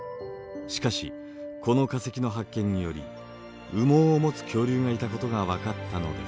しかしこの化石の発見により羽毛を持つ恐竜がいたことが分かったのです。